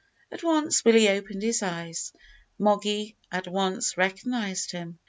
At last Willie opened his eyes. Moggy at once recognised him.